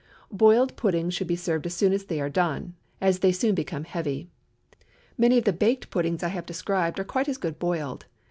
Boiled puddings should be served as soon as they are done, as they soon become heavy. Many of the baked puddings I have described are quite as good boiled.